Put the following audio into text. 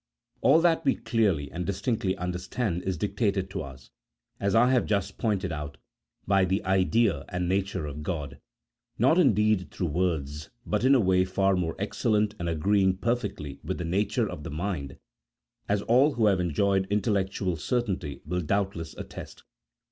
All that we clearly and distinctly understand is dictated to us, as I have just pointed out, by the idea and nature of God ; not indeed through words, but in a way far more excellent and agreeing perfectly with the nature of the mind, as all who have enjoyed intellectual certainty will doubtless attest.